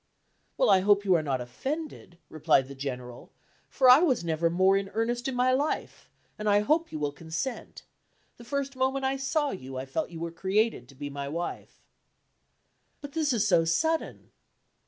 "Well, I hope you are not offended," replied the General, "for I was never more in earnest in my life, and I hope you will consent. The first moment I saw you I felt that you were created to be my wife." "But this is so sudden."